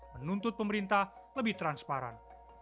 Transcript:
menuntut pemerintah lebih transparan